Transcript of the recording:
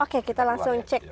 oke kita langsung cek